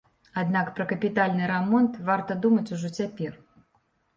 Аднак пра капітальны рамонт варта думаць ужо цяпер.